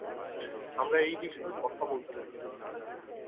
আমরা এই বিষয়ে কথা বলতে পারি।